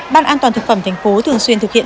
ban an toàn thực phẩm thành phố thường xuyên thực hiện